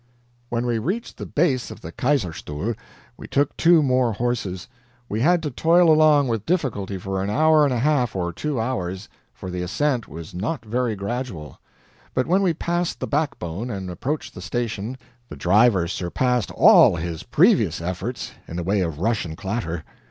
When we reached the base of the Kaiserstuhl, we took two more horses; we had to toil along with difficulty for an hour and a half or two hours, for the ascent was not very gradual, but when we passed the backbone and approached the station, the driver surpassed all his previous efforts in the way of rush and clatter.